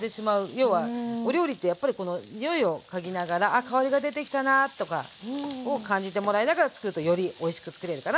要はお料理ってやっぱりこのにおいを嗅ぎながらあ香りが出てきたなあとかを感じてもらいながらつくるとよりおいしくつくれるかなと思います。